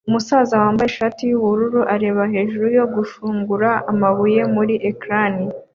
Umusaza wambaye ishati yubururu areba hejuru yo gushungura amabuye muri ecran